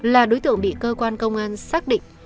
là đối tượng bị cơ quan công an xác định